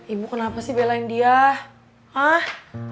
ibu kenapa sih belain dia ah